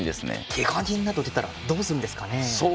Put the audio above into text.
けが人など出たらどうするんでしょうかね。